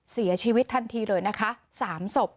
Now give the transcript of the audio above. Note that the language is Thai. เสียชีวิตทันทีเลยนะคะ๓ศพ